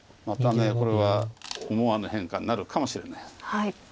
またこれは思わぬ変化になるかもしれない。